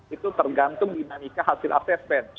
itu tergantung dinamika hasil aset pen